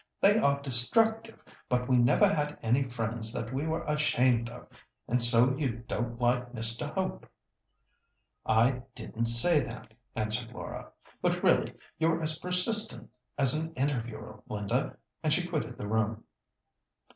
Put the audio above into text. They are destructive; but we never had any friends that we were ashamed of. And so you don't like Mr. Hope." "I didn't say that," answered Laura; "but really you're as persistent as an interviewer, Linda," and she quitted the room.